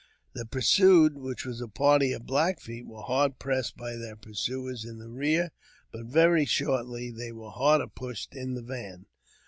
The pursued, which was a party of Black Feet, were hard pressed by their pursuers in the rear, but very shortly they were harder pushed in the van.